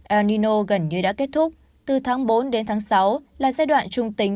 el nino gần như đã kết thúc từ tháng bốn đến tháng sáu là giai đoạn trung tính